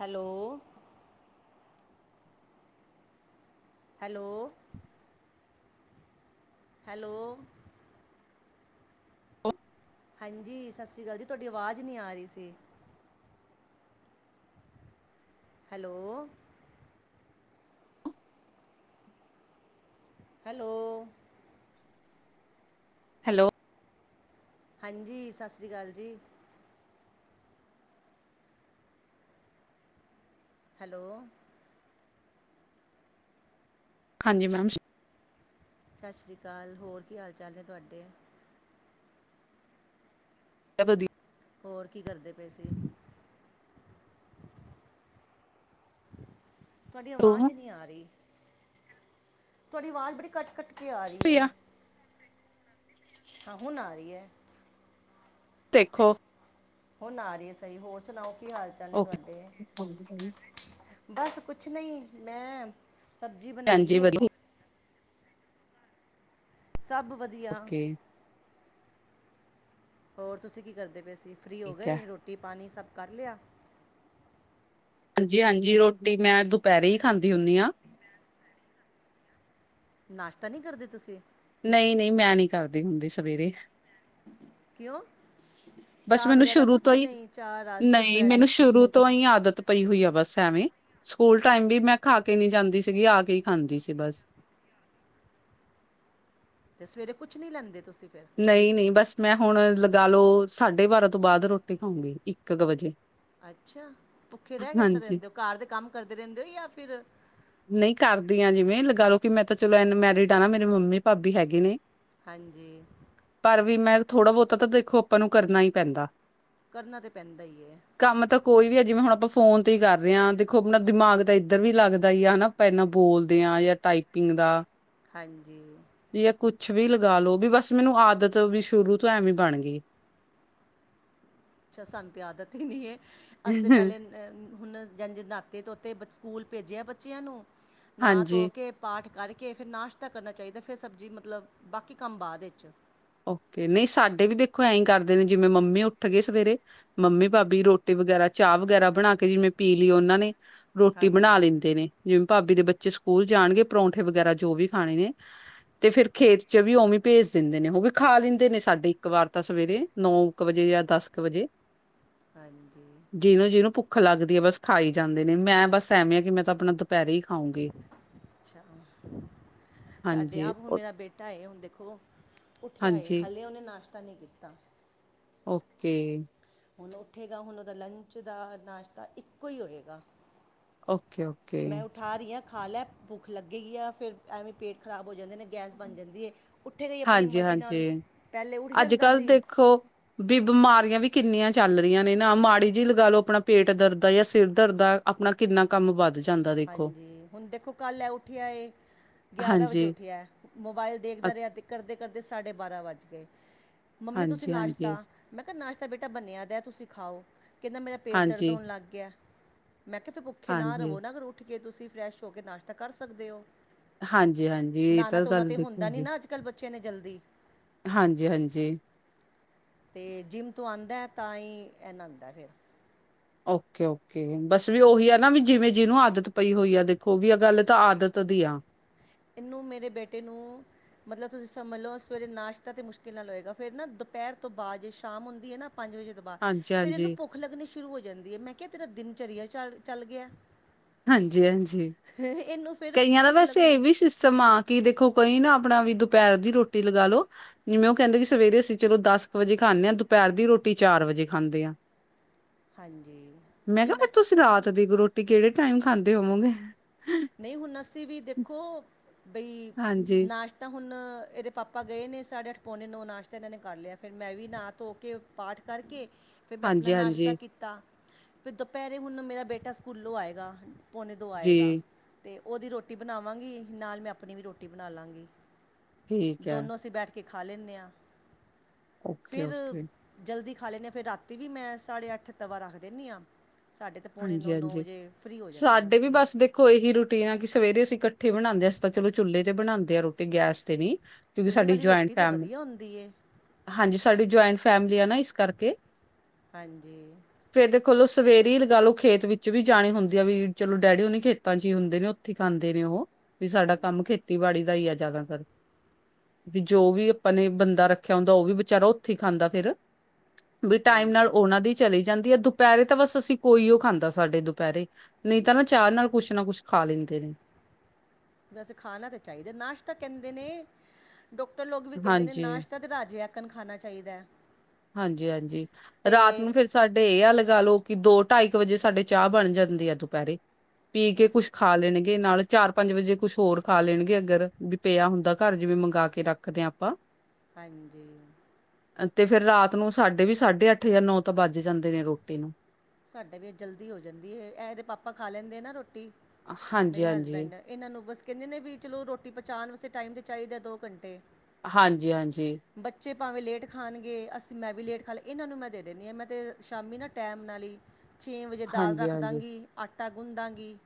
Hello hello hello ਹਾਂਜੀ ਸਤਿ ਸ਼੍ਰੀ ਅਕਾਲ ਜੀ ਤੁਹਾਡੀ ਆਵਾਜ਼ ਨਈ ਆ ਰਹੀ ਸੀ। ਹੈਲੋ ਹੈਲੋ ਹੈਲੋ ਹਾਂਜੀ ਸਤਿ ਸ਼੍ਰੀ ਅਕਾਲ ਜੀ। ਹੈਲੋ ਹਾਂਜੀ ਮੈਮ ਸਤਿ ਸ਼੍ਰੀ ਅਕਾਲ ਹੋਰ ਕੀ ਹਾਲ ਚਾਲ ਨੇ ਤੁਹਾਡੇ ਸਭ ਵਧੀ ਹੋਰ ਕੀ ਕਰਦੇ ਪਏ ਸੀ। ਤੁਹਾਡੀ ਆਵਾਜ਼ ਵਧੀਆ ਨਈ ਆ ਰਹੀ ਤੁਹਾਡੀ ਆਵਾਜ਼ ਬੜੀ ਕੱਟ-ਕੱਟ ਆ ਰਹੀ ਹੈ ਹਾਂ ਹੁਣ ਆ ਰਹੀ ਐ। ਦੇਖੋ ਹੁਣ ਆ ਰਹੀ ਸਹੀ ਹੋਰ ਸੁਣਾਓ ਕੀ ਹਾਲ ਚਾਲ ਨੇ ਓਕੇ ਤੁਹਾਡੇ ਬਸ ਕੁਛ ਨਈ ਮੈਂ ਸਬਜ਼ੀ ਬਣਾਈ ਹਾਂਜੀ ਏ। ਵਧੀਆ ਸਭ ਵਧ ਓਕੇ ਹੋਰ ਤੁਸੀਂ ਕੀ ਕਰਦੇ ਪਏ ਸੀ ਫਰੀ ਹੋ ਠੀਕ ਹੈ ਗਏ ਰੋਟੀ ਪਾਣੀ ਸਭ ਕਰ ਲਿਆ। ਹਾਂਜੀ-ਹਾਂਜੀ ਰੋਟੀ ਮੈਂ ਦੁਪੈਰੇ ਹੀ ਖਾਂਦੀ ਹੁੰਦੀ ਹਾਂ। ਨਾਸ਼ਤਾ ਨਈ ਕਰਦੇ ਤੁਸੀਂ ਨਈ-ਨਈ ਮੈਂ ਨਈ ਕਰਦੀ ਹੁੰਦੀ ਸਵੇਰੇ ਕਿਉਂ ਬਸ ਚਾਹ ਮੈਨੂੰ ਵਗੈਰਾ ਸ਼ੁਰੂ ਤੋਂ ਕੁਛ ਹੀ ਨਹੀਂ ਚਾਹ ਰਸ ਨਹੀਂ ਬ੍ਰੈੱਡ ਮੈਨੂੰ ਸ਼ੁਰੂ ਤੋਂ ਹੀ ਆਦਤ ਪਈ ਹੋਈ ਆ ਬਸ ਐਵੇਂ ਸਕੂਲ ਟਾਈਮ ਵੀ ਮੈਂ ਖਾ ਕੇ ਨਈ ਜਾਂਦੀ ਸੀਗੀ ਆ ਕੇ ਖਾਂਦੀ ਸੀ ਬਸ ਤੇ ਸਵੇਰੇ ਕੁਛ ਨਈ ਲੈਂਦੇ ਤੁਸੀਂ ਫਿਰ ਨਈ-ਨਈ ਬਸ ਮੈਂ ਹੁਣ ਲਗਾ ਲਓ ਸਾਢੇ ਬਾਰਾਂ ਤੋਂ ਬਾਅਦ ਰੋਟੀ ਖਾਂਊਗੀ ਇੱਕ ਕ ਵਜੇ ਅੱਛਾ ਭੁੱਖੇ ਰਏ ਕਿਸ ਤਰਾਂ ਹਾਂਜੀ ਰੈਂਦੇ ਹੋ ਘਰ ਦੇ ਕੰਮ ਕਰਦੇ ਰੈਂਦੇ ਹੋ ਜਾਂ ਫਿਰ ਨਹੀਂ ਕਰਦੀ ਆ ਜਿਵੇਂ ਲਗਾ ਲਓ ਕਿ ਮੈਂ ਤਾਂ ਚਲੋ ਇਨਮੈਰਿਡ ਆ ਨਾ ਮੇਰੇ ਮੰਮੀ ਭਾਬੀ ਹੈਗੇ ਨੇ ਹਾਂਜੀ ਪਰ ਵੀ ਮੈਂ ਥੋੜ੍ਹਾ ਬਹੁਤਾ ਤਾਂ ਦੇਖੋ ਆਪਾਂ ਨੂੰ ਕਰਨਾ ਹੀ ਪੈਂਦਾ ਕਰਨਾ ਤਾਂ ਪੈਂਦਾ ਹੀ ਹੈ ਕੰਮ ਤਾਂ ਕੋਈ ਵੀ ਆ ਜਿਵੇਂ ਹੁਣ ਆਪਾਂ ਫੋਨ ਤੇ ਹੀ ਕਰ ਰਹੇ ਹਾਂ, ਦੇਖੋ ਆਪਣਾ ਦਿਮਾਗ ਤਾਂ ਇੱਧਰ ਵੀ ਲੱਗਦਾ ਹੀ ਆ ਹਨਾ ਆਪਾਂ ਇਨਾ ਬੋਲਦੇ ਹਾਂ, ਜਾਂ ਟਾਈਪਿੰਗ ਦਾ ਹਾਂਜੀ ਵੀ ਜਾਂ ਕੁੱਛ ਵੀ ਲਗਾ ਲੋੋ, ਵੀ ਬਸ ਮੈਨੂੰ ਆਦਤ ਵੀ ਸ਼ੁਰੂ ਤੋਂ ਐਵੇਂ ਬਣ ਗਈ ਅੱਛਾ ਸਾਨੂੰ ਤਾਂ ਆਦਤ ਹੀ ਨਹੀਂ ਹੈ, ਅਸੀ ਤਾਂ ਪਹਿਲੇ ਹੁਣ ਜਜ ਨਾਤੇ ਤੋਤੇ ਸਕੂਲ ਭੇਜਿਆ ਬੱਚਿਆਂ ਨੂੰ, ਨਾ ਧੋ ਹਾਂਜੀ ਕੇ ਪਾਠ ਕਰਕੇ ਫਿਰ ਨਾਸ਼ਤਾ ਕਰਨਾ ਚਾਹੀਦਾ ਫਿਰ ਸਬਜ਼ੀ, ਮਤਲਬ ਬਾਕੀ ਕੰਮ ਬਾਅਦ 'ਚ ਓਕੇ, ਨਹੀਂ ਸਾਡੇ ਵੀ ਦੇਖੋ ਐਂ ਕਰਦੇ ਨੇ ਜਿਵੇਂ ਮੰਮੀ ਉੱਠ ਗਏ ਸਵੇਰੇ ਮੰਮੀ ਭਾਬੀ ਰੋਟੀ ਵਗੈਰਾ ਚਾਹ ਵਗੈਰਾ ਬਣਾ ਕੇ ਜਿਵੇਂ ਪੀ ਲਈ ਉਹਨਾਂ ਨੇ ਰੋਟੀ ਬਣਾ ਹਾਂਜੀ ਲੈਂਦੇ ਨੇ, ਜਿਵੇਂ ਭਾਬੀ ਦੇ ਬੱਚੇ ਸਕੂਲ ਜਾਣਗੇ ਪਰੌਂਠੇ ਵਗੈਰਾ ਜੋ ਵੀ ਖਾਣੇ ਨੇ ਤੇ ਫਿਰ ਖੇਤ 'ਚ ਵੀ ਉਵੇਂ ਭੇਜ ਦਿੰਦੇ ਨੇ ਉਹ ਵੀ ਖਾ ਲੈਂਦੇ ਨੇ ਸਾਡੇ ਇੱਕ ਵਾਰ ਤਾਂ ਸਵੇਰੇ, ਨੌ ਕੁ ਵਜੇ ਜਾਂ ਦਸ ਕੁ ਵਜੇ ਹਾਂਜੀ ਜਿਹਨੂੰ ਜਿਹਨੂੰ ਭੁੱਖ ਲੱਗਦੀ ਹੈ ਬਸ ਖਾਈ ਹੀ ਜਾਂਦੇ ਨੇ, ਮੈਂ ਬਸ ਐਵੇਂ ਆ ਕਿ ਮੈਂ ਤਾਂ ਆਪਣਾ ਦੁਪਹਿਰੇ ਹੀ ਖਾਊਂਗੀ ਅੱਛਾ, ਸਾਡੇ ਹਾਂਜੀ ਆਪ ਹੁਣ ਓ- ਮੇਰਾ ਬੇਟਾ ਟ ਆਏ ਹੁਣ ਦੇਖੋ, ਉੱਠਿਆ ਹਾਂਜੀ ਹਾਲੇ ਉਹਨੇ ਨਾਸ਼ਤਾ ਨਹੀਂ ਕੀਤਾ ਓਕੇ ਹੁਣ ਉੱਠੇਗਾ, ਹੁਣ ਉਹਦਾ ਲੰਚ ਦਾ ਨਾਸ਼ਤਾ ਇੱਕੋ ਹੀ ਹੋਏਗਾ ਓਕੇ- ਓਕੇ ਮੈਂ ਉੱਠ ਠਾਰੀਆਂ ਖਾ ਲੈ ਭੁੱਖ ਲੱਗੀ ਆ ਫਿਰ ਐਵੇਂ ਪੇਟ ਖ਼ਰਾਬ ਹੋ ਜਾਂਦੇ ਗੈਸ ਬਣ ਜਾਂਦੀ ਹੈ ਉੱਠੇ ਗ ਹੀ ਆਪਣੀ ਹਾਂਜੀ ਮਰਜ਼ੀ ਹਾਂਜੀ ਨਾਲ, ਪਹਿਲੇ ਉੱਠ ਅੱਜ ਜਾਂਦਾ ਕੱਲ੍ਹ ਸੀ ਦੇਖੋ ਵੀ ਬਿਮਾਰੀਆਂ ਵੀ ਕਿੰਨੀਆਂ ਚੱਲ ਰਹੀਆਂ ਨੇ ਨਾ, ਮਾੜੀ ਜਿਹੀ ਲਗਾ ਲਓ ਆਪਣਾ ਪੇਟ ਦਰਦ ਆ ਜਾਂ ਸਿਰ ਦਰਦ ਆ ਆਪਣਾ ਕਿੰਨਾ ਕੰਮ ਵੱਧ ਜਾਂਦਾ ਦੇਖੋ ਹਾਂਜੀ, ਹੁਣ ਦੇਖੋ ਕੱਲ ਹੈ ਉੱਠਿਆ ਏ ਗਿਆਰਾਂ ਵਜੇ ਹਾਂਜੀ ਉੱਠਿਆ, ਮੋਬਾਇਲ ਅ- ਦੇਖਦਾ ਰਿਹਾ ਤੇ ਕਰਦੇ ਕਰਦੇ ਸਾਡੇ ਬਾਰਾਂ ਵੱਜ ਗਏ, ਮੰਮੀ ਤੁਸੀਂ ਹਾਂਜੀ ਨਾਸ਼ਤਾ ਹਾਂਜੀ ਮੈਂ ਕਿਹਾ ਨਾਸ਼ਤਾ ਬੇਟਾ ਬਣਿਆ ਦਾ ਤੁਸੀਂ ਖਾਓ, ਕਿੰਦਾ ਮੇਰਾ ਪੇਟ ਦਰਦ ਹਾਂਜੀ ਹੋਣ ਲੱਗ ਗਿਆ ਮੈਂ ਕਿਹਾ ਪਿਪੁੱਖੇ ਨਾ ਹਾਂਜੀ ਰਵੋ ਨਾ, ਉੱਠ ਕੇ ਤੁਸੀਂ ਫਰੈਸ਼ ਹੋ ਕੇ ਨਾਸ਼ਤਾ ਕਰ ਸਕਦੇ ਹੋ ਹਾਂਜੀ- ਹਾਂਜੀ, ਇਹ ਨਹਾਣਾ ਤਾਂ ਧੋਣਾ ਗੱਲ ਤੇ ਦੇਖੋ ਹੁੰਦਾ ਨਹੀਂ ਜੀ ਨਾ ਅੱਜ ਕੱਲ੍ਹ ਬੱਚਿਆ ਨੇ ਜਲਦੀ ਹਾਂਜੀ- ਹਾਂਜੀ ਤੇ ਜਿੰਮ ਤੋਂ ਆਉਂਦਾ, ਤਾਂ ਹੀ ਨਹੰਦਾ ਹੈ ਫਿਰ ਓਕੇ -ਓਕੇ ਬਸ ਵੀ ਉਹੀ ਆ ਨਾ ਵੀ ਜਿਵੇਂ ਜਿਹਨੂੰ ਆਦਤ ਪਈ ਹੋਈ ਆ ਦੇਖੋ ਵੀ ਆ ਗੱਲ ਤਾਂ ਆਦਤ ਦੀ ਆ ਇਹਨੂੰ, ਮੇਰੇ ਬੇਟੇ ਨੂੰ ਮਤਲਬ ਤੁਸੀਂ ਸਮਭਝ ਲਓ, ਸਵੇਰੇ ਨਾਸ਼ਤਾ ਤੇ ਮੁਸ਼ਕਿਲ ਨਾਲ ਹੋਏਗਾ ਫੇਰ ਨਾ ਦੁਪਹਿਰ ਤੋਂ ਬਾਅਦ ਜੇ ਸ਼ਾਮ ਹੁੰਦੀ ਹੈ ਨਾ ਪੰਜ ਵਜੇ ਉਹਤੋੰ ਬਾ ਹਾਂਜੀ ਫਿਰ ਇਹਨੂੰ ਹਾਂਜੀ ਭੁੱਖ ਲੱਗਣੀ ਸ਼ੁਰੂ ਹੋ ਜਾਂਦੀ ਹੈ! ਮੈਂ ਕਿਹਾ ਤੇਰਾ ਦਿਨਚਰਆ ਚੱਲ ਗਿਆ ਹਾਂਜੀ- ਹਾਂਜੀ ਇਹਨੂੰ ਫਿਰ ਕਈਆਂ ਦਾ ਭੁੱਖ ਵੈਸੇ ਲੱਗਣੀ ਇਹ ਵੀ ਸਿਸਟਮ ਆ, ਕਿ ਦੇਖੋ ਕਈ ਨਾ ਆਪਣਾ ਵੀ ਦੁਪਹਿਰ ਦੀ ਰੋਟੀ ਲਗਾ ਲੋ ਜਿਵੇਂ ਉਹ ਕਹਿੰਦੇ ਕਿ ਸਵੇਰੇ ਅਸੀਂ ਚਲੋ ਦਸ ਕੁ ਵਜੇ ਖਾਂਦੇ ਹਾਂ, ਦੁਪਹਿਰ ਦੀ ਰੋਟੀ ਚਾਰ ਵਜੇ ਖਾਂਦੇ ਆਂ ਹਾਂਜੀ ਮੈਂ ਕਿਹਾ ਫਿਰ ਤੁਸੀਂ ਰਾਤ ਦੀ ਰੋਟੀ ਤੇ ਕਿਹੜੇ ਟਾਈਮ ਖਾਂਦੇ ਹੋਵੋਗੇ ਨਹੀਂ ਹੁਣ ਅਸੀਂ ਵੀ ਦੇਖੋ ਬਈ ਹਾਂਜੀ ਨਾਸ਼ਤਾ ਤਾਂ ਹੁਣ ਇਹਦੇ ਪਾਪਾ ਗਏ ਨੇ ਸਾਡੇ ਅੱਠ ਪੌਨੇ ਨੂੰ ਆ ਨਾਸ਼ਤਾ ਇਹਨਾਂ ਨੇ ਕਰ ਲਿਆ ਫਿਰ ਮੈਂ ਵੀ ਨਾਹਾ ਧੋ ਕੇ ਪਾਠ ਕਰਕੇ ਫਿਰ ਮੈਂ ਆਪਣਾ ਹਾਂਜੀ ਨਾਸ਼ਤਾ ਹਾਂਜੀ ਕੀਤਾ ਫਿਰ ਦੁਪਹਿਰੇ ਹੁਣ ਮੇਰਾ ਬੇਟਾ ਸਕੂਲੋਂ ਆਏਗਾ! ਪੌਣੇ ਦੋ ਆਏਗਾ ਜੀ ਤੇ ਉਹਦੀ ਰੋਟੀ ਬਣਾਵਾਂਗੀ ਨਾਲ ਮੈਂ ਆਪਣੀ ਵੀ ਰੋਟੀ ਬਣਾ ਲਵਾਂਗੀ ਠੀਕ ਹੈ ਦੋਨੋਂ ਅਸੀਂ ਬੈਠ ਕੇ ਕੇ ਖਾ ਲੈਂਦੇ ਹਾਂ ਓਕੇ ਫਿਰ ਓਕੇ ਜਲਦੀ ਖਾ ਲੈਂਦੇ ਹਾਂ ਫਿਰ ਰਾਤੀ ਵੀ ਮੈਂ ਸਾਡੇ ਅੱਠ ਤਵਾ ਰੱਖ ਦਿੰਦੀ ਹਾਂ। ਸਾਡੇ ਤਾਂ ਪੌਣੇ ਹਾਂਜੀ ਨੌ ਨੌਂ ਵਜੇ ਫਰੀ ਹੋ ਜਾਂਦੇ ਹਾਂ ਅਸੀਂ ਕੋਈ ਹੀ ਰੁਟੀਨਾ ਆ ਕਿ ਸਵੇਰੇ ਅਸੀਂ ਇਕੱਠੇ ਬਣਾਉਂਦੇ ਹਾਂ ਤਾਂ ਚੁੱਲੇ ਤੇ ਬਣਾਉਂਦੇ ਆ ਰੋਟੀ ਗੈਸ ਤੇ ਨੀ ਕਿਉਂਕਿ ਛੋਲੇ ਸਾਡੀ ਵਾਲੀ ਜਇੰਟ ਰੋਟੀ ਤਾਂ ਫੈਮਲੀ ਵਧੀਆ ਹੁੰਦੀ ਏ ਹਾਂਜੀ ਸਾਡੀ ਜਇੰਟ ਫੈਮਲੀ ਆ ਨਾ ਇਸ ਕਰਕੇ ਹਾਂਜੀ ਫਿਰ ਦੇ ਕੋਲੋ ਸਵੇਰੀ ਗੱਲ ਉਹ ਖੇਤ ਵਿੱਚ ਵੀ ਜਾਣੀ ਹੁੰਦੀ ਆ ਵੀ ਚਲੋ ਡੈਡੀ ਹੋਣੀ ਖੇਤਾਂ ਚ ਹੀ ਹੁੰਦੇ ਨੇ ਉੱਥੇ ਖਾਂਦੇ ਨੇ ਉਹ ਵੀ ਸਾਡਾ ਹਾਂਜੀ ਕੰਮ ਖੇਤੀਬਾੜੀ ਦਾ ਹੀ ਆ ਜ਼ਿਆਦਾਤਰ ਵੀ ਜੋ ਵੀ ਆਪਾਂ ਨੇ ਬੰਦਾ ਰੱਖਿਆ ਹੁੰਦਾ ਉਹ ਵੀ ਬਚਾਰਾ ਉੱਥੇ ਹੀ ਖਾਂਦਾ ਫਿਰ ਵੀ ਟਾਈਮ ਹਾਂਜੀ ਨਾਲ ਉਹਨਾਂ ਦੀ ਚਲੀ ਜਾਂਦੀ ਹੈ ਦੁਪਹਿਰੇ ਤਾਂ ਬਸ ਅਸੀਂ ਕੋਈ ਉਹ ਖਾਂਦਾ ਸਾਡੇ ਦੁਪਹਿਰੇ ਨਹੀਂ ਤਾਂ ਨਾ ਚਾਹ ਨਾਲ ਕੁੱਛ ਨਾ ਕੁਛ ਖਾ ਲੈਂਦੇ ਨੇ ਵੈਸੇ ਖਾਣਾ ਤਾਂ ਚਾਹੀਦਾ ਨਾਸ਼ਤਾ ਕਹਿੰਦੇ ਨੇ ਡਾਕਟਰ ਲੋਕ ਵੀ ਕਹਿੰਦੇ ਨੇ ਹਾਂਜੀ ਨਾਸ਼ਤਾ ਰਾਜੇ ਆਕਣ ਖਾਣਾ ਚਾਹੀਦਾ ਹੈ। ਹਾਂਜੀ ਹਾਂਜੀ ਰਾਤ ਨੂੰ ਅਤੇ ਫਿਰ ਸਾਡੇ ਇਹ ਆ ਲਗਾ ਲਓ ਕਿ ਦੋ ਢਾਈ ਕੁ ਵਜੇ ਸਾਡੇ ਚਾਹ ਬਣ ਜਾਂਦੀ ਆ ਦੁਪਹਿਰੇ ਪੀ ਕੇ ਕੁੱਛ ਖਾ ਲੈਣਗੇ ਨਾਲ ਚਾਰ ਪੰਜ ਵਜੇ ਕੁਛ ਹੋਰ ਖਾ ਲੈਣ ਗੇ ਅਗਰ ਵੀ ਪਿਆ ਹੁੰਦਾ ਘਰ ਜਿਵੇਂ ਮੰਗਵਾ ਕੇ ਰੱਖਦੇ ਹਾਂ ਆਪਾਂ ਹਾਂਜੀ ਤੇ ਫਿਰ ਰਾਤ ਨੂੰ ਸਾਡੇ ਵੀ ਸਾਢੇ ਅੱਠ ਜਾਂ ਨੌ ਤੋਂ ਵੱਜ ਜਾਂਦੇ ਨੇ ਰੋਟੀ ਨੂੰ ਸਾਡਾ ਵੀ ਇਹ ਜਲਦੀ ਹੋ ਜਾਂਦੀ ਹੈ ਇਹਦੇ ਪਾਪਾ ਖਾ ਲੈਂਦੇ ਨਾ ਰੋਟੀ ਮੇਰੇ ਹਾਂਜੀ-ਹਾਂਜੀ, ਹਸਬੈਂਡ ਇਹਨਾਂ ਨੂੰ ਬਸ ਕਹਿੰਦੇ ਨੇ ਵੀ ਚਲੋ ਰੋਟੀ ਪਹਚਾਉਣ ਵਾਸਤੇ ਟਾਈਮ ਤੇ ਚਾਹੀਦਾ ਦੋ ਘੰਟੇ ਹਾਂਜੀ ਹਾਂਜੀ ਬੱਚੇ ਭਾਵੇਂ ਲੇਟ ਖਾਣਗੇ ਅਸੀਂ ਮੈਂ ਵੀ ਲੇਟ ਖਾ ਲੇ ਇਹਨਾਂ ਨੂੰ ਮੈਂ ਦੇ ਦਿੰਦੀ ਹਾਂ ਮੈਂ ਤੇ ਸ਼ਾਮੀ ਨਾ ਟਾਈਮ ਨਾਲ ਹੀ ਛੇ ਵਜੇ ਦਾਲ ਹਾਂਜੀ-ਹਾਂਜੀ ਰੱਖਦਾਂਗੀ ਆਟਾ ਗੁਣਦਾਗੀ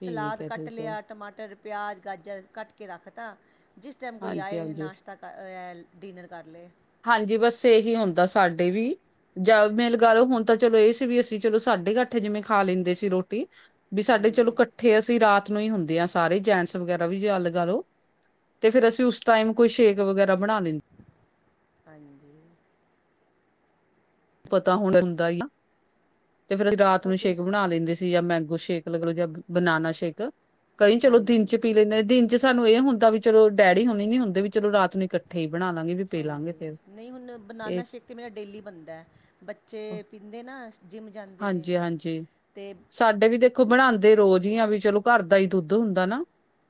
ਠੀਕ ਸਲਾਦ ਐ ਕੱਟ ਠੀਕ ਐ, ਲਿਆ ਟਮਾਟਰ ਪਿਆਜ਼ ਗਾਜਰ ਕੱਟ ਕੇ ਰੱਖ ਤਾ ਜਿਸ ਟਾਈਮ ਕੋਈ ਆਏ ਹਾਂਜੀ-ਹਾਂਜੀ। ਨਾਸ਼ਤਾ ਡਿਨਰ ਕਰ ਲਏ ਹਾਂਜੀ ਬਸ ਇਹੀ ਹੁੰਦਾ ਸਾਡੇ ਵੀ ਜਾਂ ਮਿਲੇ ਗਓ ਹੁਣ ਤਾਂ ਚਲੋ ਇਹ ਸੀ ਵੀ ਅਸੀਂ ਚਲੋ ਸਾਡੇ ਇਕੱਠੇ ਜਿਵੇਂ ਖਾ ਲੈਂਦੇ ਸੀ ਰੋਟੀ ਵੀ ਸਾਡੇ ਚਲੋ ਹਾਂਜੀ ਇਕੱਠੇ ਅਸੀਂ ਰਾਤ ਨੂੰ ਹੀ ਹੁੰਦੇ ਹਾਂ ਸਾਰੇ ਜੈਂਟਸ ਵਗੈਰਾ ਵੀ ਜੇ ਲਗਾ ਲਓ ਤੇ ਫਿਰ ਅਸੀਂ ਉਸ ਟਾਈਮ ਕੋਈ ਸ਼ੇਕ ਵਗੈਰਾ ਬਣਾ ਲੈਂਦੇ ਹਾਂਜੀ ਪਤਾ ਹਣ ਹੁੰਦਾ ਹੀ ਤੇ ਫਿਰ ਰਾਤ ਉਹ ਨੂੰ ਤੇ ਸ਼ੇਕ ਬਣਾ ਲੈਂਦੇ ਸੀ। ਜਾਂ ਮੈਂਗੋ ਸ਼ੇਕ ਜਾਂ ਬਨਾਨਾ ਸ਼ੇਕ ਕਈ ਚਲੋ ਦਿਨ ਹਾਂਜੀ ਚ ਪੀ ਲੈਂਦੇ ਦਿਨ ਜੇ ਸਾਨੂੰ ਇਹ ਹੁੰਦਾ ਵੀ ਚਲੋ ਡੈਡੀ ਹੁਣੇ ਨੀ ਹੁੰਦੇ ਵੀ ਚਲੋ ਰਾਤ ਨੂੰ ਇਕੱਠੇ ਹੀ ਬਣਾ ਲਾਂਗੇ ਵੀ ਪੀ ਲਾਂਗੇ ਹਾਂਜੀ ਫਿਰ ਨਹੀਂ ਹੁਣ ਇਹ ਬਨਾਨਾ ਸ਼ੇਕ ਤੇ ਮੇਰਾ ਡੇਲੀ ਬੰਦਾ ਬੱਚੇ ਪੀਂਦੇ ਨਾ ਜਿੰਮ ਜਾਂਦੇ ਨੇ ਹਾਂਜੀ-ਹਾਂਜੀ। ਤੇ ਸਾਡੇ ਵੀ ਦੇਖੋ ਬਣਾਉਦੇ ਰੋਜ਼ ਹੀ ਆ, ਵੀ ਚਲੋ ਘਰ ਦਾ ਹੀ ਦੁੱਧ ਹੁੰਦਾ ਨਾ।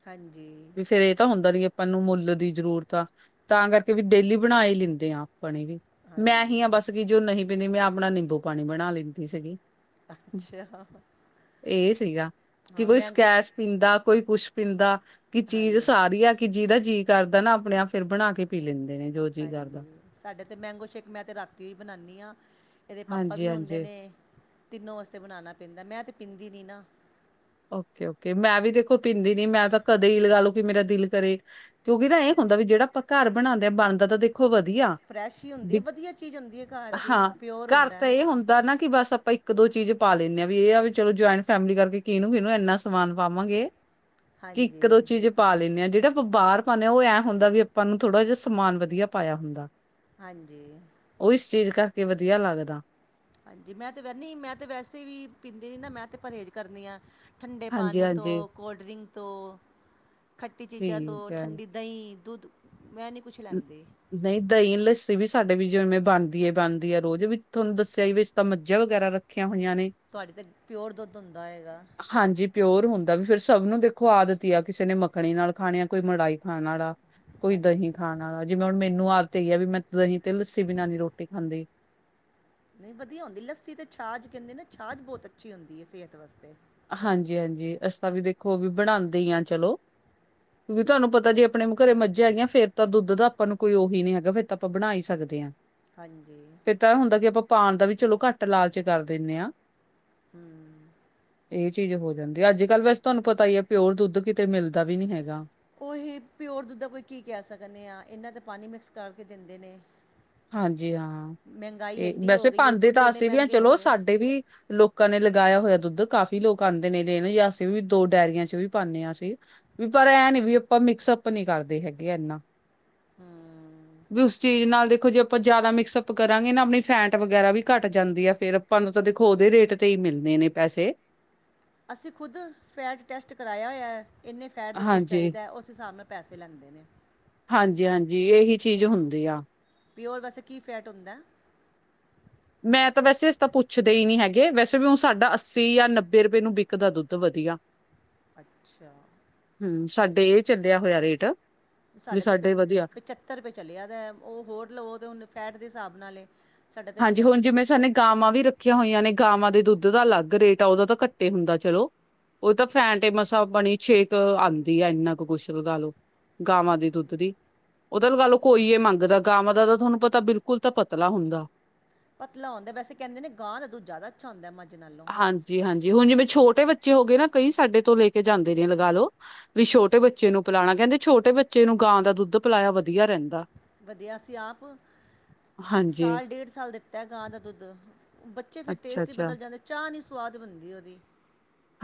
ਹਾਂਜੀ ਵੀ ਫੇਰ ਇਹ ਤਾਂ ਹੁੰਦਾ ਨੀ ਹੈ। ਆਪਾਂ ਨੂੰ ਮੁੱਲ ਦੀ ਜ਼ਰੂਰਤ ਆ, ਤਾਂ ਕਰਕੇ ਵੀ ਡੇਲੀ ਬਣਾ ਹੀ ਲੈਂਦੇ ਆ ਆਪਣੀ। ਮੈਂ ਹੀ ਹਾਂ ਹਾਂਜੀ ਬਸ ਕੀ ਜੋ ਨਹੀਂ ਪੀਂਦੀ, ਮੈਂ ਆਪਣਾ ਨਿੰਬੂ ਪਾਣੀ ਬਣਾ ਲੈਂਦੀ ਸੀਗੀ। ਅੱਛਾ ਹਾਂ ਇਹ ਸੀਗਾ ਕਿ ਕੋਈ ਮੈਂਗੋ ਸ਼ੇ ਸਕੈਸ ਪੀਂਦਾ, ਕੋਈ ਕੁਛ ਪੀਂਦਾ, ਕਿ ਚੀਜ਼ ਹਾਂਜੀ ਸਾਰੀ ਆ ਕਿ ਜਿਹਦਾ ਜੀਅ ਕਰਦਾ ਨਾ ਆਪਣੇ ਆਪ ਫੇਰ ਬਣਾ ਕੇ ਪੀ ਲੈਂਦੇ ਨੇ। ਜੋ ਜੀਅ ਹਾਂਜੀ ਕਰਦਾ ਸਾਡੇ ਤਾਂ ਮੈਂਗੋ ਸ਼ੇਕ ਮੈਂ ਤਾਂ ਰਾਤੀ ਹੀ ਬਣਾਉਂਦੀ ਹਾਂ। ਇਹਦੇ ਪਾਪਾ ਹਾਂਜੀ ਵੀ ਹੁੰਦੇ ਹਾਂਜੀ ਨੇ ਤਿੰਨੋਂ ਵਾਸਤੇ ਬਣਾਉਣਾ ਪੈਂਦਾ, ਮੈਂ ਤਾਂ ਪੀਂਦੀ ਨਹੀਂ ਨਾ। ਓਕੇ- ਓਕੇ ਮੈਂ ਵੀ ਦੇਖੋ ਪੀਂਦੀ ਨੀ, ਮੈਂ ਤਾਂ ਕਦੇ ਹੀ ਲਗਾ ਲਓ ਕਿ ਮੇਰਾ ਦਿਲ ਕਰੇ। ਕਿਉਂਕਿ ਤਾਂ ਇਹ ਹੁੰਦਾ ਵੀ ਜਿਹੜਾ ਆਪਾਂ ਘਰ ਬਣਾਉਂਦੇ ਬਣਦਾ ਤਾਂ ਦੇਖ ਖੋ ਵਧੀਆ ਫਰੈਸ਼ ਹੀ ਹੁੰਦੀ ਹੈ ਵਧੀਆ ਚੀਜ਼ ਹੁੰਦੀ ਹੈ ਘਰ ਦੀ ਹਾਂ ਪਿਓਰ ਘਰ ਹੁੰਦਾ ਤਾਂ ਹੈ। ਇਹ ਹੁੰਦਾ ਨਾ ਕਿ ਬਸ ਆਪਾਂ। ਇੱਕ- ਦੋ ਚੀਜ਼ ਪਾ ਲੈਂਦੇ ਹਾ, ਵੀ ਇਹ ਆ ਵੀ ਚਲੋ ਜੁਆਇੰਟ ਫੈਮਿਲੀ ਕਰਕੇ ਕਿਹਨੂੰ- ਕਿਹਨੂੰ ਇੰਨਾ ਸਮਾਨ ਪਾਵਾਂਗੇ। ਇੱਕ- ਦੋ ਹਾਂਜੀ ਚੀਜ਼। ਪਾ ਲੈਂਦੇ ਆ, ਜਿਹੜਾ ਆਪਾਂ ਬਾਹਰ ਪਾਉਦੇ ਹਾਂ ਉਹਂ ਹੁੰਦਾ ਵੀ ਆਪਾਂ ਨੂੰ ਥੋੜਾ ਜਿਹਾ ਸਮਾਨ ਵਧੀਆ ਪਾਇਆ ਹੁੰਦਾ। ਹਾਂਜੀ। ਉਹ ਇਸ ਚੀਜ਼ ਕਰਕੇ ਵਧੀਆ ਲੱਗਦਾ। ਹਾਂਜੀ ਮੈਂ ਤੇ ਵੈ ਨੀ ਮੈਂ ਤੇ ਵੈਸੇ ਵੀ ਪੀਂਦੀ ਨ ਨਾ ਮੈਂ ਤੇ ਪਰਹੇਜ਼ ਕਰਨੀ ਆ। ਠੰਡੇ ਹਾਂਜੀ ਪਾਣੀ ਹਾਂਜੀ ਤੋਂ, ਕੋਲਡ ਡਰਿੰਕ ਤੋਂ, ਖੱਟੀ ਚੀਜ਼ਾਂ ਤੋਂ, ਠੀਕ ਹੈ ਠੰਡੀ ਦਹੀਂ, ਦੁੱਧ ਮੈਂ ਨਹੀਂ ਕੁਛ ਨ- ਲੈਂਦੀ। ਨਹੀਂ ਦਹੀਂ ਲੱਸੀ ਵੀ ਸਾਡੇ ਵੀ ਜਿਵੇਂ ਬਣਦੀ ਹੈ- ਬਣਦੀ ਹੈ ਰੋਜ਼ ਵੀ ਤੁਹਾਨੂੰ ਦੱਸਿਆ ਹੀ ਵੀ ਅਸ ਤਾਂ ਮੱਝਾ ਵਗੈਰਾ ਰੱਖ। ਰੱਖੀਆਂ ਹੋਈਆਂ ਨੇ। ਤੁਹਾਡੀੇ ਤਾਂ ਪਿਓਰ ਦੁੱਧ ਹੁੰਦਾ ਹੋਏਗਾ। ਹਾਂਜੀ ਪਿਓਰ ਹੁੰਦਾ, ਵੀ ਫੇਰ ਸਭ ਨੂੰ ਦੇਖੋ ਆਦਤ ਆ ਕਿਸੇ ਨੇ ਮੱਖਣੀ ਨਾਲ ਖਾਣੀ ਆ, ਕੋਈ ਮਲਾਈ ਖਾਣ ਆਲਾ। ਕੋਈ ਹਾਂਜੀ ਦਹੀਂ ਖਾਣ ਆਲਾ, ਜਿਵੇਂ ਹੁਣ ਮੈਨੂੰ ਆਦਤ ਹੈਗੀ ਆ ਵੀ ਮੈਂ ਦਹੀਂ ਤੇ ਲੱਸੀ ਬਿਨਾਂ ਨਹੀਂ ਰੋਟੀ ਖਾਂਦੀ। ਨਹੀਂ ਵਧੀਆ ਹੁੰਦੀ ਲੱਸੀ ਤੇ, ਛਾਜ ਕਹਿੰਦੇ ਨਾ ਛਾਜ ਬਹੁਤ ਅੱਛੀ ਹੁੰਦੀ ਹੈ ਸਿਹਤ ਵਾਸਤੇ। ਹਾਂਜੀ- ਹਾਂਜੀ ਅਸੀ ਤਾਂ ਵੀ ਦੇਖੋ ਵੀ ਬਣਾਉਦੇ ਹੀ ਹਾਂ ਚਲੋ। ਵੀ ਤੁਹਾਨੂੰ ਪਤਾ ਜੇ ਆਪਣੇ ਘਰੇ ਮੱਝਾਂ ਹੈਗੀਆਂ ਫੇਰ ਤਾਂ ਦੁੱਧ ਦਾ ਆਪਾਂ ਨੂੰ ਕੋਈ ਉਹੀ ਨਹੀਂ ਹੈਗਾ, ਫੇਰ ਤਾਂ ਆਪਾਂ ਬਣਾ ਹੀ ਸਕਦੇ ਹਾਂ। ਹਾਂਜੀ। ਫੇ ਤਾਂ ਇਹ ਹੁੰਦਾ ਕਿ ਆਪਾਂ ਪਾਉਣ ਦਾ ਵੀ ਚਲੋ ਘੱਟ ਲਾਲਚ ਕਰ ਦਿੰਦੇ ਹਾਂ। ਹੂੰ। ਇਹ ਚੀਜ਼ ਹੋ ਜਾਂਦੀ ਹੈ, ਅੱਜ ਕੱਲ ਵੈਸੇ ਤੁਹਾਨੂੰ ਪਤਾ ਹੀ ਹੈ, ਪਿਓਰ ਦੁੱਧ ਕਿਤੇ ਮਿਲਦਾ ਵੀ ਨੀ ਹੈਗਾ। ਉਹ ਇਹ ਪਿਓਰ ਦੁੱਧਾ ਕੋਈ ਕੀ ਕਹਿ ਸਕਦੇ ਹਾਂ ਇਹਨਾਂ ਦਾ ਪਾਣੀ ਮਿਕਸ ਕਰਕੇ ਦਿੰਦੇ ਨੇ। ਹਾਂਜੀ ਹਾਂ, ਮਹਿੰਗਾਈ ਤੇ ਐਡੀ ਹੋ ਵੈਸੇ ਗਈ ਹੈ ਭਾਰਦੇ ਦੁੱਧ ਤਾਂ ਇੰਨੇ ਅਸੀਂ ਵੀ ਹਾ ਮਹਿੰਗੇ ਹੋ ਚਲੋ ਗਏ ਸਾਡੇ ਵੀ ਲੋਕਾਂ ਨੇ ਲਗਾਇਆ ਹੋਇਆ ਦੁੱਧ, ਕਾਫ਼ੀ ਲੋਕ ਆਉਂਦੇ ਨੇ ਦੇਣ ਜਾਂ ਅਸੀਂ ਵੀ ਦੋ ਡਾਇਰੀਆਂ ਚ ਵੀ ਪਾਉਂਦੇ ਅਸੀ। ਵੀ ਪਰ ਐ ਨੀ ਵੀ ਆਪਾਂ ਮਿਕਸ ਅਪ ਨੀ ਕਰਦੇ ਹੈਗੇ ਐਨਾ। ਹੂੰ ਵੀ ਉਸ ਚੀਜ਼ ਨਾਲ ਦੇ- ਦੇਖੋ ਜੇ ਆਪਾਂ ਜ਼ਿਆਦਾ ਮਿਕਸਅਪ ਕਰਾਂਗੇ ਨਾ, ਆਪਣੀ ਫੈਟ ਵਗੈਰਾ ਵੀ ਘੱਟ ਜਾਂਦੀ ਆ, ਫੇਰ ਆਪਾਂ ਨੂੰ ਤਾਂ ਦੇਖੋ ਉਹਦੇ ਰੇਟ। ਤੇ ਹੀ ਮਿਲਣੇ ਨੇ ਪੈਸੇ। ਅਸੀਂ ਖੁਦ ਫੈਟ ਟੈਸਟ ਕਰਾਆ ਹੋਇਆ, ਇੰਨੇ ਫੈਟ ਦਾ ਦੂੱਧ ਹਾਂਜੀ, ਚਾਹੀਦਾ, ਉਸ ਹਿਸਾਬ ਨਾਲ ਪੈਸੇ ਲੈਂਦੇ ਨੇ। ਹਾਂਜੀ- ਹਾਂਜੀ ਇਹੀ ਚੀਜ਼ ਹੁੰਦੀ ਆ। ਪਿਓਰ ਵੈਸੇ ਕੀ ਫੈਟ ਹੁੰਦਾ? ਮੈਂ ਤਾਂ ਵੈਸੇ ਇਸ ਤਾਂ ਪੁੱਛਦੇ ਹੀ ਨੀ ਹੈਗੇ, ਵੈਸੇ ਵੀ ਹੁਣ ਸਾਡਾ ਅੱਸੀ ਜਾਂ ਨੱਬੇ ਰੁਪਏ ਨੂੰ ਵਿਕਦਾ ਦੁੱਧ ਵਧੀਆ। ਅੱਛਾ। ਹੂੰ, ਸਾਡੇ ਇਹ ਚੱਲਿਆ ਹੋਇਆ ਰੇਟ, ਵੀ ਸਾਡੇ ਤੇ ਵਧੀਆ ਪਚੱਤਰ ਰੁਪਏ ਚੱਲਿਆਦਾ ਉਹ ਹੋਰ ਲਓ ਤਾਂ ਹੁਣ ਫੈਟ ਦੇ ਹਿਸਾਬ ਨਾਲ ਏ, ਸਾਡਾ ਤੇ ਹਾਂਜੀ, ਪਚੱਤਰ ਹੁਣ ਜਿਵੇਂ ਸਾਨੇ, ਗਾਵਾਂ ਵੀ ਰੱਖੀਆਂ ਹੋਈਆਂ ਨੇ ਗਾਵਾਂ ਦੇ ਦੁੱਧ ਦਾ ਅਲੱਗ ਰੇਟ ਆ ਉਹਦਾ ਤਾਂ ਘੱਟੇ ਹੁੰਦਾ ਚਲੋ, ਉਹ ਤਾਂ ਫੈਂਟ ਮਸਾ ਬਣੀ ਛੇ ਕੁ ਆਉਂਦੀ ਆ ਇੰਨਾ ਕੁ ਕੁਛ ਲਗਾਲੋ, ਗਾਵਾਂ ਦੇ ਹਾਂਜੀ ਦੁੱਧ ਦੀ, ਉਹਦਾ ਗੱਲ ਕੋਈਏ ਮੰਗਦਾ ਗਾਵਾਂ ਦਾ ਤਾਂ ਤੁਹਾਨੂੰ ਪਤਾ ਬਿਲਕੁਲ ਤਾਂ ਪਤਲਾ ਹੁੰਦਾ, ਪਤਲਾ ਆਉਂਦਾ ਵੈਸੇ ਕਹਿੰਦੇ ਗਾਂ ਦਾ ਦੁੱਧ ਜ਼ਿਆਦਾ ਅੱਛਾ ਹੁੰਦਾ ਮੱਝ ਨਾਲੋਂ, ਹਾਂਜੀ-ਹਾਂਜੀ, ਹੁਣ ਜਿਵੇਂ ਛੋਟੇ ਬੱਚੇ ਹੋ ਗਏ ਨਾ ਕਈ ਸਾਡੇ ਤੋਂ ਲੈ ਕੇ ਜਾਂਦੇ ਨੇ ਲਗਾ ਲਓ, ਵੀ ਛੋਟੇ ਬੱਚੇ ਨੂੰ ਪਿਲਾਉਣਾ ਕਹਿੰਦੇ ਛੋਟੇ ਬੱਚੇ ਨੂੰ ਗਾਂ ਦਾ ਦੁੱਧ ਪਿਲਾਇਆ ਵਧੀਆ ਰਹਿੰਦਾ। ਵਧੀਆ ਸੀ ਆਪ, ਹਾਂਜੀ ਸਾਲ ਡੇਢ ਸਾਲ ਦਿੱਤਾ ਗਾਂ ਦਾ ਦੁੱਧ, ਬੱਚੇ ਫਿਰ ਅੱਛਾ ਟੇਸਟ ਹੀ ਅੱਛਾ ਬਦਲ ਜਾਂਦੇ ਚਾਹ ਨਹੀਂ ਸਵਾਦ ਬਣਦੀ ਉਹਦੀ,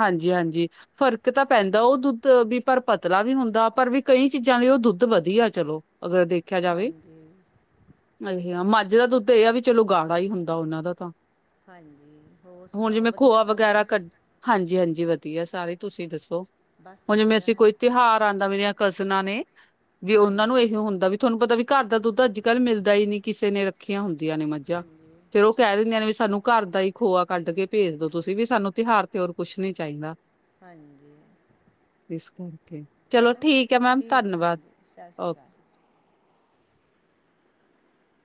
ਹਾਂਜੀ-ਹਾਂਜੀ। ਫਰਕ ਤਾਂ ਪੈਂਦਾ ਉਹ ਦੁੱਧ ਵੀ ਪਰ ਪਤਲਾ ਵੀ ਹੁੰਦਾ ਪਰ ਵੀ ਕਈ ਚੀਜ਼ਾਂ ਲਈ ਉਹ ਦੁੱਧ ਵਧੀਆ ਚਲੋ। ਅਗਰ ਦੇਖਿਆ ਜਾਵੇ, ਹਾਂਜੀ ਆਹੀ ਆ ਮੱਝ ਦਾ ਦੁੱਧ ਇਹ ਆ ਵੀ ਚਲੋ ਗਾੜਾ ਹੀ ਹੁੰਦਾ ਉਹਨਾਂ ਦਾ ਤਾਂ, ਹਾਂਜੀ ਹੋਰ ਹੁਣ ਸੁਣਾਓ ਜਿਵੇਂ ਵਧੀਆ ਖੋਆ ਸਭ ਵਗੈਰਾ ਕ ਹਾਂਜੀ-ਹਾਂਜੀ, ਵਧੀਆ ਸਾਰੇ ਤੁਸੀਂ ਦੱਸੋ ਬਸ ਹੁਣ ਜਿਵੇਂ ਵਧੀਆ ਅਸੀਂ ਕੋਈ ਤਿਉਹਾਰ ਦਾ ਮੇਰੀਆਂ ਕਜ਼ਨਾ ਨੇ, ਵੀ ਉਹਨਾਂ ਨੂੰ ਹਾਂਜੀ ਇਹੀ ਹੁੰਦਾ ਵੀ ਤੁਹਾਨੂੰ ਪਤਾ ਵੀ ਘਰ ਦਾ ਦੁੱਧ ਅੱਜ ਕੱਲ ਮਿਲਦਾ ਹੀ ਨੀ ਕਿਸੇ ਨੇ ਰੱਖੀਆਂ ਹੁੰਦੀਆਂ ਨੇ ਮੱਝਾਂ ਹਾਂਜੀ ਫੇਰ ਉਹ, ਕਹਿ ਦਿੰਦੀਆਂ ਨੇ ਵੀ ਸਾਨੂੰ ਘਰ ਦਾਈ ਖੋਆ ਕੱਢ ਕੇ ਭੇਜ ਦੋ ਤੁਸੀਂ ਵੀ ਸਾਨੂੰ ਤਿਉਹਾਰ ਤੇ ਹੋਰ ਕੁਛ ਨੀ ਚਾਹੀਦਾ। ਹਾਂਜੀ, ਇਸ ਕਰਕੇ ਚਲੋ ਠੀਕ ਹੈ ਮੈਮ ਠੀਕ ਹੈ ਧੰਨਵਾਦ ਹਾਂਜੀ ਸਤਿ ਓਕੇ ਸ਼੍ਰੀ ਅਕਾਲ,